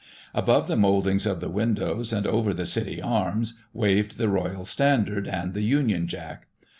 Above the mouldings of the windows, and over the City Arms, waved the Royal Standard and the Union Jack.